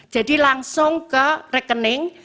langsung ke rekening